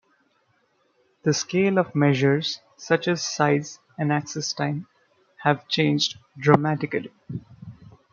The scale of measures such as 'size' and 'access time' have changed dramatically.